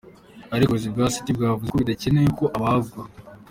Ariko ubuyobozi bwa City bwavuze ko bidakenewe ko abagwa.